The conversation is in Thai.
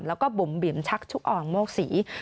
แล้วก็บุ๋มบิ๋มชักชุกอ่องโมกศรี